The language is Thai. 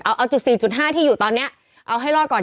เอาจุด๔๕ที่อยู่ตอนนี้เอาให้รอดก่อน